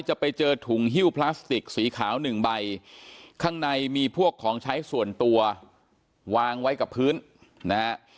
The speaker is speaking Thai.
จะไปเจอถุงฮิ้วพลาสติกสีขาวหนึ่งใบข้างในมีพวกของใช้ส่วนตัววางไว้กับพื้นนะฮะ